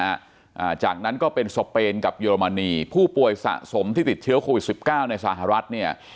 อ่าจากนั้นก็เป็นสเปนกับเยอรมนีผู้ป่วยสะสมที่ติดเชื้อโควิดสิบเก้าในสหรัฐเนี่ย